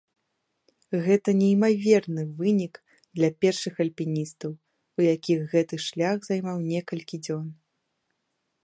Гэта неймаверны вынік для першых альпіністаў, у якіх гэты шлях займаў некалькі дзён.